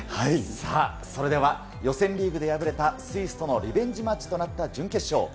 さあ、それでは予選リーグで敗れたスイスとのリベンジマッチとなった準決勝。